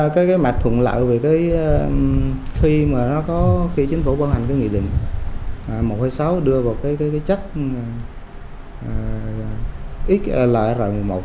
cái mạch thuận lợi về khi chính phủ bảo hành nghị định một trăm hai mươi sáu đưa vào chất xlr một mươi một